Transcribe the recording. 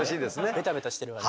ベタベタしてるわね。